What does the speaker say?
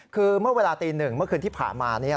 คือเมื่อเวลาตีหนึ่งเมื่อคืนที่ผ่านมาเนี่ย